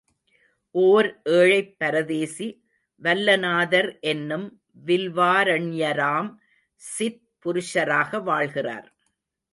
ஓர் ஏழைப் பரதேசி, வல்லநாதர் என்னும் வில்வாரண்யராம் சித் புருஷராக வாழ்கிறார்.